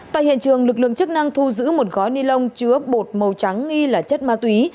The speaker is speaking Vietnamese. tại hiện trường lực lượng chức năng thu giữ một gói ni lông chứa bột màu trắng nghi là chất ma túy